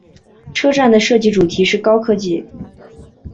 车站的设计主题是高科技。